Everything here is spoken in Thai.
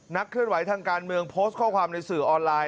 เคลื่อนไหวทางการเมืองโพสต์ข้อความในสื่อออนไลน